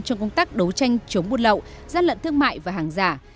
trong công tác đấu tranh chống buôn lậu gian lận thương mại và hàng giả